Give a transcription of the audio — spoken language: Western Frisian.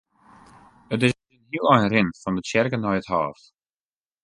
It is in hiel ein rinnen fan de tsjerke nei it hôf.